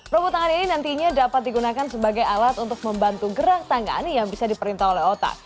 robot tangan ini nantinya dapat digunakan sebagai alat untuk membantu gerak tangan yang bisa diperintah oleh otak